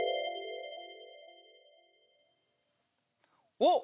おっ！